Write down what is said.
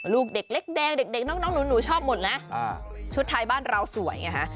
ลูกเด็กเล็กแดงเด็กน้องหนูชอบหมดนะชุดไทยบ้านเราสวยไงฮะ